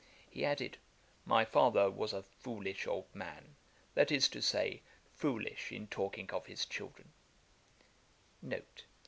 He added, 'my father was a foolish old man; that is to say, foolish in talking of his children.'